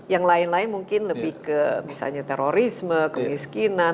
yang lain lain mungkin lebih ke misalnya terorisme kemiskinan